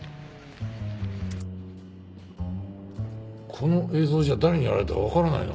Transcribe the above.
この映像じゃ誰にやられたかわからないな。